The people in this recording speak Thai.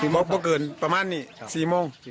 บ๊อกก็เกินประมาณนี้๔โมง